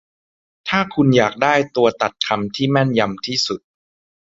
ถ้าคุณอยากได้ตัวตัดคำที่แม่นยำที่สุด